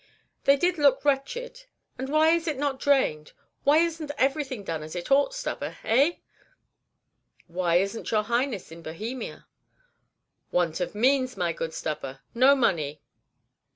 "They did look very wretched. And why is it not drained? Why isn't everything done as it ought, Stubber, eh?" "Why is n't your Highness in Bohemia?" "Want of means, my good Stubber; no money.